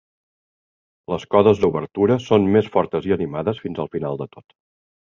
Les codes d'obertura són "més fortes i animades fins al final de tot".